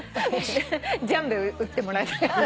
ジャンベ打ってもらいたいな。